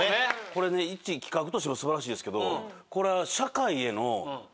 これね一企画としてもすばらしいですけど。